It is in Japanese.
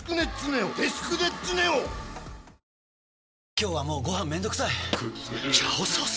今日はもうご飯めんどくさい「炒ソース」！？